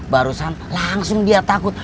barusan langsung dia takut